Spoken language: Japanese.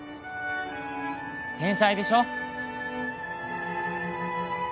天才でしょ？